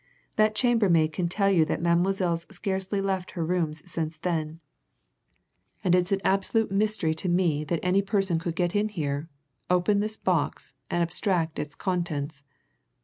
That chambermaid can tell you that Mademoiselle's scarcely left her rooms since then, and it's an absolute mystery to me that any person could get in here, open this box, and abstract its contents.